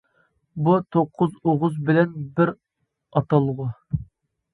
بۇ «توققۇز ئوغۇز» بىلەن بىر ئاتالغۇ.